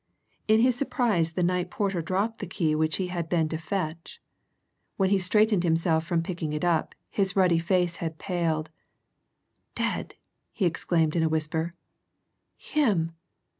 In his surprise the night porter dropped the key which he had been to fetch. When he straightened himself from picking it up, his ruddy face had paled. "Dead!" he exclaimed in a whisper. "Him!